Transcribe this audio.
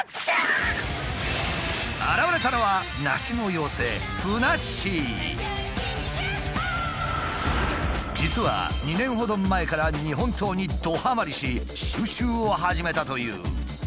現れたのは実は２年ほど前から日本刀にどハマりし収集を始めたという。